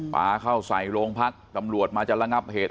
ปลาเข้าใส่โรงพักตำรวจมาจะระงับเหตุ